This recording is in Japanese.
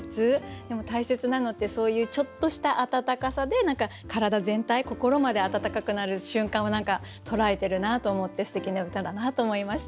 でも大切なのってそういうちょっとした温かさで体全体心まで温かくなる瞬間を何か捉えてるなと思ってすてきな歌だなと思いました。